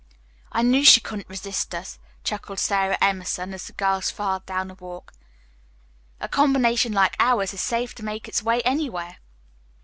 "I knew she couldn't resist us," chuckled Sara Emerson, as the girls filed down the walk. "A combination like ours is safe to make its way anywhere.